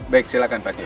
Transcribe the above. baik silahkan pak kiayi